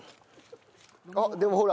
あっでもほら。